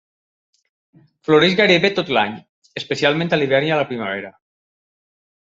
Floreix gairebé tot l'any, especialment a l'hivern i a la primavera.